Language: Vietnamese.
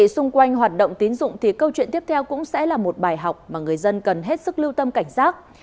xung quanh hoạt động tín dụng thì câu chuyện tiếp theo cũng sẽ là một bài học mà người dân cần hết sức lưu tâm cảnh giác